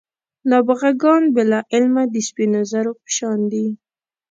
نابغه ګان بې له علمه د سپینو زرو په شان دي.